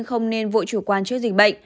không nên vội chủ quan trước dịch bệnh